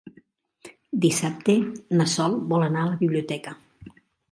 Dissabte na Sol vol anar a la biblioteca.